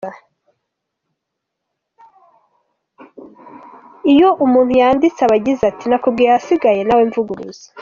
Iyo umuntu yanditse aba agize ati ‘nakubwiye, ahasigaye nawe mvuguruza.